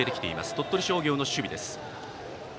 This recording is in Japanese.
鳥取商業の守備。